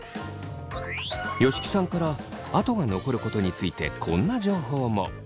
吉木さんから跡が残ることについてこんな情報も。